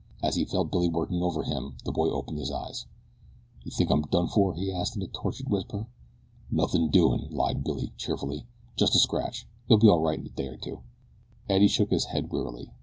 As he felt Billy working over him the boy opened his eyes. "Do you think I'm done for?" he asked in a tortured whisper. "Nothin' doin'," lied Billy cheerfully. "Just a scratch. You'll be all right in a day or two." Eddie shook his head wearily.